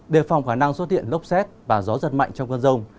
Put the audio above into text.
đề phòng khả năng xuất hiện lốc xét và gió giật mạnh trong cơn rông